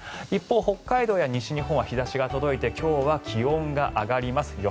一方、北海道や西日本は日差しが届いて今日は気温が上がります。